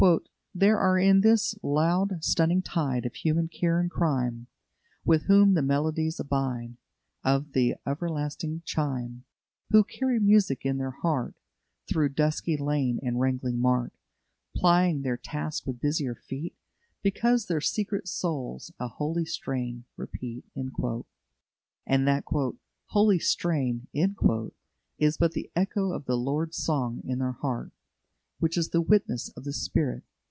"There are in this loud stunning tide Of human care and crime, With whom the melodies abide Of th' everlasting chime; Who carry music in their heart Through dusky lane and wrangling mart, Plying their task with busier feet Because their secret souls a holy strain repeat." And that "holy strain" is but the echo of the Lord's song in their heart, which is the witness of the Spirit.